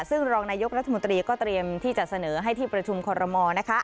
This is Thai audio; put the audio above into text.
ซึ่งรองนายกรัฐมนตรีก็เตรียมที่จะเสนอให้ที่ประชุมคอรมอล